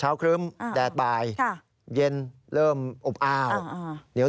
เช้าครึ้มแดดบ่ายเย็นเริ่มอบอ้าว